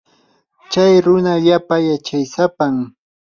chay runa allaapa yachaysapam.